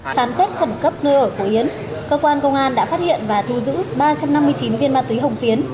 khám xét khẩn cấp nơi ở của yến cơ quan công an đã phát hiện và thu giữ ba trăm năm mươi chín viên ma túy hồng phiến